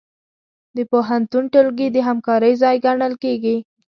د پوهنتون ټولګي د همکارۍ ځای ګڼل کېږي.